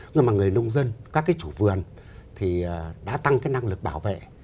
nhưng mà người nông dân các cái chủ vườn thì đã tăng cái năng lực bảo vệ